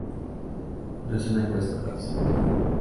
No es una encuesta participativa.